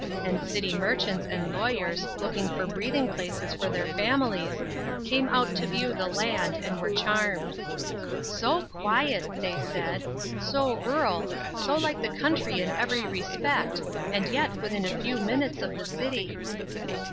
And city mer chants and lawyers, looking for breathing places for their families, came out to view the land and were charmed. "So quiet," they said, "so rural, so like the country in every respect, and yet within a few minutes of the city."